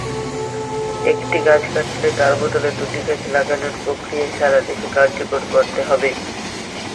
একটি গাছ কাটলে তার বদলে দূটি গাছ লাগানোর প্রক্রিয়া সারা দেশে কার্যকর করতে হবে।